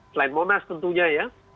selain monas tentunya